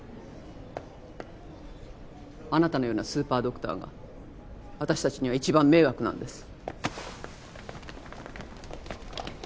あなたのようなスーパードクターが私たちには一番迷惑なんです。